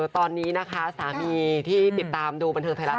ตอนนี้นะคะสามีที่ติดตามดูบันเทิงไทยรัฐ